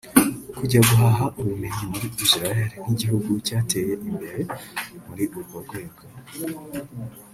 kujya guhaha ubumenyi muri Israel nk’igihugu cyateye imbere muri urwo rwego